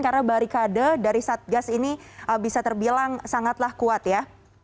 karena barikade dari satgas ini bisa terbilang sangatlah kuat ya